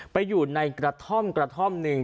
ไปอยู่ในกระท่อมกระท่อมหนึ่ง